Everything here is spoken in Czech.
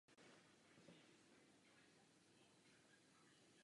Po komunistickém převratu byl rozvoj řádu zastaven a aktivity přešly do ilegality.